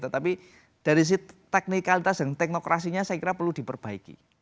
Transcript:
tetapi dari teknikalitas dan teknokrasinya saya kira perlu diperbaiki